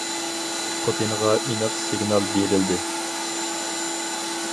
پۇتىنغا ئېنىق سىگنال بېرىلدى!